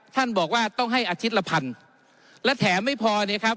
ท่านบอกว่าต้องให้อาทิตย์ละพันและแถมไม่พอเนี่ยครับ